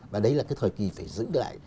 và đấy là cái thời kỳ phải giữ lại